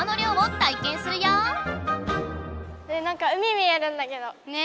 えなんか海見えるんだけど。ね。